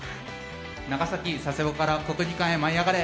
長崎佐世保から国技館へ舞い上がれ！